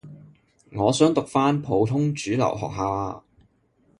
我想讀返普通主流學校呀